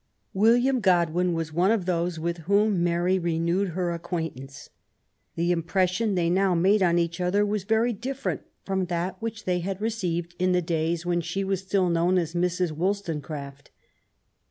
William Godwin was one of those with whom Mary renewed her acquaintance. The impression they now made on each other was very different from that which they had received in the days when she was still known as Mrs. Wollstonecraft.